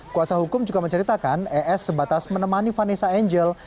kuasa hukum juga menceritakan es sebatas menemani vanessa angel